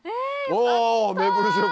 お！